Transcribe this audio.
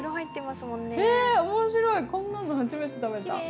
えっ面白いこんなの初めて食べた。